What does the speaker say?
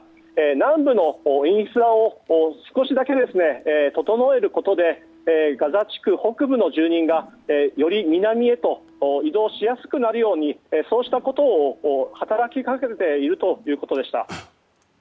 南部のインフラを少しだけ整えることでガザ地区北部の住人がより南へ移動しやすくなるようにそうしたことを働きかけているということでした。